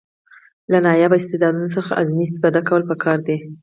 له نایابه استعدادونو څخه اعظمي استفاده کول پکار دي.